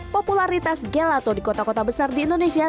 popularitas gelato di kota kota besar di indonesia